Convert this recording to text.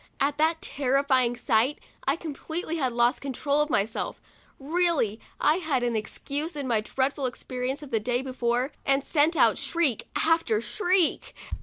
At that terrifying sight, I completely lost control of myself; really, I had an excuse in my dreadful experience of the day before, and sent out shriek after shriek.